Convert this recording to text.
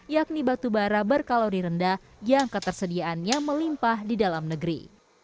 yakni batubara berkalori rendah yang ketersediaannya melimpah di dalam negeri